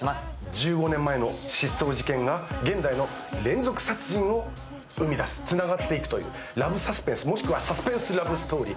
１５年前の失踪事件が現代の連続殺人を生み出しつながっていくというラブサスペンス、もしくはサスペンスラブストーリー。